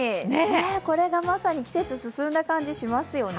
これがまさに季節進んだ感じしますよね。